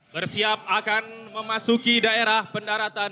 bersiap akan memasuki daerah pendaratan